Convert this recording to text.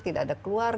tidak ada keluarga